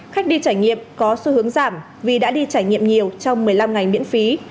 khách đi trải nghiệm có xu hướng giảm vì đã đi trải nghiệm nhiều trong một mươi năm ngày miễn phí